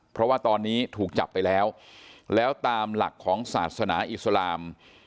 เพราะว่าตอนนี้ถูกจับไปแล้วแล้วตามหลักของศาสนาอิสลาม